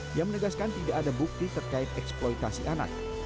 dia menegaskan tidak ada bukti terkait eksploitasi anak